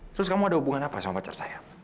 terus kamu ada hubungan apa sama pacar saya